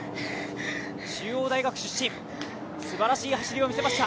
中央大学出身、すばらしい走りを見せました。